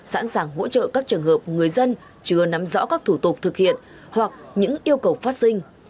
sẵn sàng hỗ trợ các trường hợp người dân chưa nắm rõ các thủ tục thực hiện hoặc những yêu cầu phát sinh